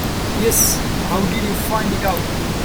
Yes, how did you find it out?